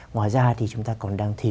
ngoài ra chúng ta còn đang thiếu